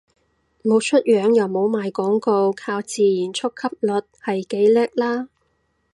冇出樣又冇賣廣告，靠自然觸及率係幾叻喇